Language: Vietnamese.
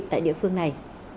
tại địa phương này